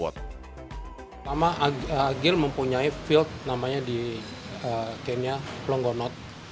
pertama agile mempunyai field namanya di kenya longonot